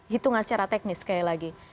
hitungan secara teknis sekali lagi